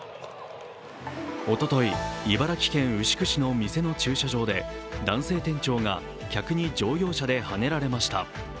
おととい、茨城県牛久市の店の駐車場で男性店長が客に乗用車ではねられました。